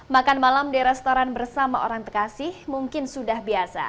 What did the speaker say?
makan malam di restoran bersama orang tekasih mungkin sudah biasa